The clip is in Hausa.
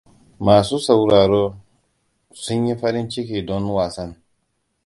Masu sauraro sun yi farin ciki don wasan.